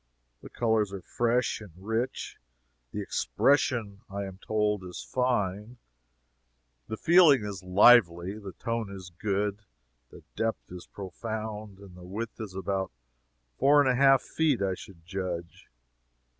The colors are fresh and rich, the "expression," I am told, is fine, the "feeling" is lively, the "tone" is good, the "depth" is profound, and the width is about four and a half feet, I should judge.